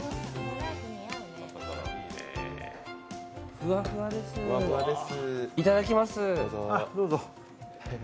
ふわふわです、いただきます。